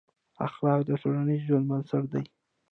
اخلاق د ټولنیز ژوند بنسټ دي.